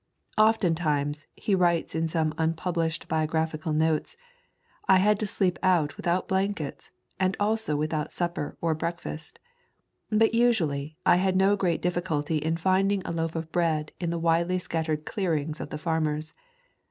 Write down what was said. "Oftentimes," he writes in some unpublished biographical notes, "I had to sleep out with out blankets, and also without supper or break fast. But usually I had no great difficulty in finding a loaf of bread in the widely scattered clearings of the farmers.